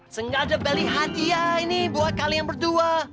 sengaja balik hadiah ini buat kalian berdua